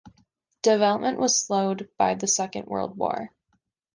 Development was slowed by the Second World War.